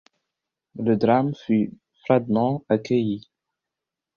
Le drame fut froidement accueilli.